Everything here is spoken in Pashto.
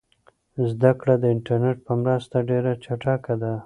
زده کړه د انټرنیټ په مرسته ډېره چټکه ده.